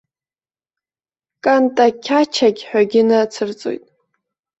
Кантақьачақь ҳәагьы нацырҵоит.